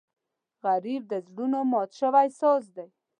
غریب د زړونو مات شوی ساز دی